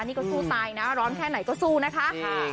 นี่ก็สู้ตายนะร้อนแค่ไหนก็สู้นะคะ